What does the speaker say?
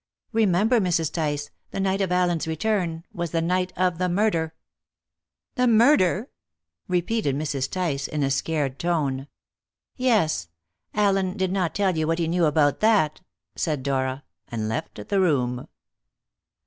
Remember, Mrs. Tice, the night of Allen's return was the night of the murder." "The murder!" repeated Mrs. Tice in a scared tone. "Yes. Allen did not tell you what he knew about that," said Dora, and left the room.